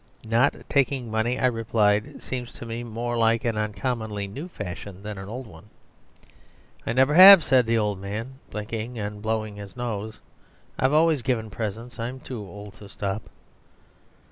"Not taking money," I replied, "seems to me more like an uncommonly new fashion than an old one." "I never have," said the old man, blinking and blowing his nose; "I've always given presents. I'm too old to stop."